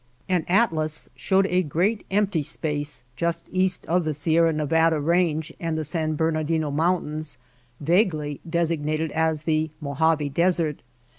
An atlas showed a great empty space just east of the Sierra Nevada Range and the San Bernadino Mountains vaguely designated as the Mojave Desert.